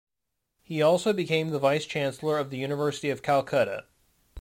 He also became the Vice Chancellor of the University of Calcutta.